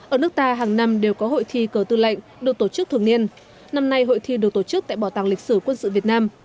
ở nước ta hàng năm đều có hội thi cờ tư lệnh được tổ chức thường niên năm nay hội thi được tổ chức tại bảo tàng lịch sử quân sự việt nam